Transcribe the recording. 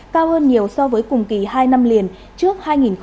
cao hơn nhiều so với cùng kỳ hai năm liền trước hai nghìn hai mươi hai nghìn hai mươi một